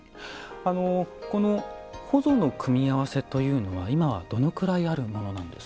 このほぞの組み合わせというのは今はどのくらいあるものなんですか？